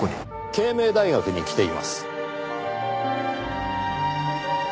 慶明大学に来ています。